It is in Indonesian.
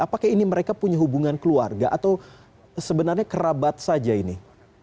apakah ini mereka punya hubungan keluarga atau sebenarnya kerabat saja ini